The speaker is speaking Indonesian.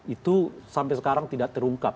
itu sampai sekarang tidak terungkap